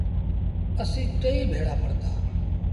اسيٚݩ ٽئيٚ ڀيڙآ پڙهتآ۔